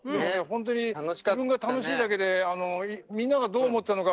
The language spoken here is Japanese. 本当に自分が楽しいだけでみんながどう思ったのか